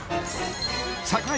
櫻井